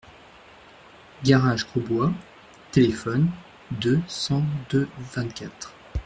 Garage Grosbois, téléphone deux cent deux-vingt-quatre.